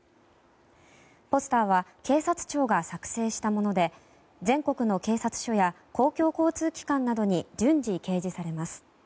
ポスターは警察庁が作成したもので全国の警察署や公共交通機関などに順次、掲示されます。